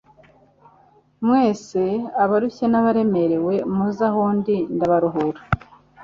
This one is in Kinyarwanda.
"Mwese abarushye n'abaremerewe muze aho ndi ndabaruhura."